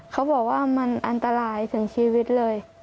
เขาบอกว่ามันอันตรายถึงชีวิตเลย